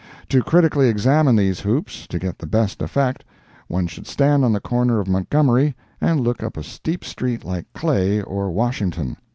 To critically examine these hoops—to get the best effect—one should stand on the corner of Montgomery and look up a steep street like Clay or Washington.